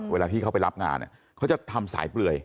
เวลาที่เขาไปรับงานเขาจะทำสายเปลือย